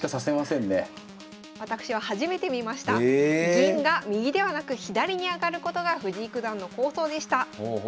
銀が右ではなく左に上がることが藤井九段の構想でした。